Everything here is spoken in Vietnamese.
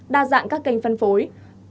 đa dạng các kênh phân phối